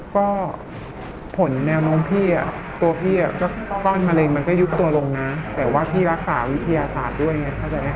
ก็ผลแนวโน้มพี่ตัวพี่ก็ซ่อนมะเร็งมันก็ยุบตัวลงนะแต่ว่าพี่รักษาวิทยาศาสตร์ด้วยไงเข้าใจไหม